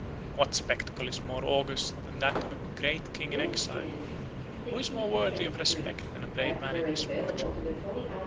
What spectacle is more august than that of a great king in exile? Who is more worthy of respect than a brave man in misfortune?